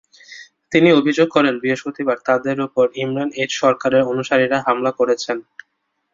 তিনি অভিযোগ করেন, বৃহস্পতিবার তাঁদের ওপর ইমরান এইচ সরকারের অনুসারীরা হামলা করেছেন।